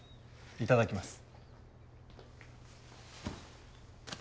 いただきます。